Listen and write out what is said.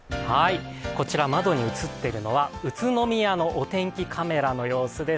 こちら、窓に映っているのは宇都宮のお天気カメラの様子です。